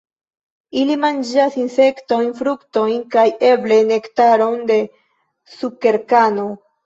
Ili manĝas insektojn, fruktojn kaj eble nektaron de sukerkano.